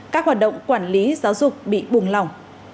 các hoạt động quản lý giáo dục bị bùng lòng